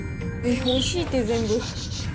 おいしいて、全部。